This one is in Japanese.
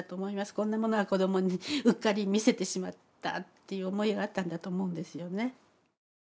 こんなものは子どもにうっかり見せてしまったという思いがあったんだと思うんですよね。